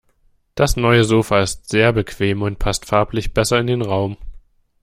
Das neue Sofa ist sehr bequem und passt farblich besser in den Raum.